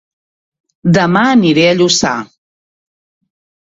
Dema aniré a Lluçà